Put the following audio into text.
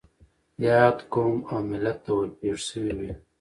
ياد قوم او ملت ته ور پېښ شوي وي.